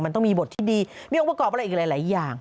มันต้องมีบทที่ดีมีองค์ประกอบอะไรอีกหลายอย่าง